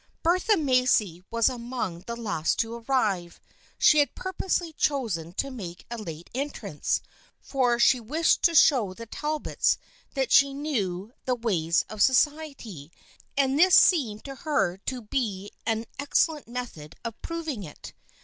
Bertha Macy was among the last to arrive. She had purposely chosen to make a late entrance, for she wished to show the Talbots that she knew the ways of society, and this seemed to her to be an excellent method of proving it.